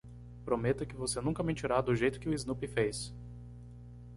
Prometa que você nunca mentirá do jeito que o Snoopy fez.